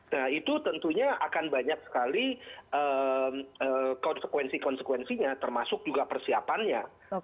nah itu tentunya akan banyak sekali konsekuensi konsekuensinya termasuk juga persiapannya